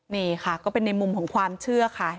นี่ค่ะก็เป็นในมุมของความเชื่อค่ะ